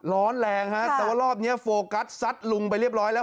ร้อนแรงฮะแต่ว่ารอบนี้โฟกัสซัดลุงไปเรียบร้อยแล้ว